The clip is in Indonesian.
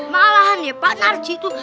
malahan ya pak narji itu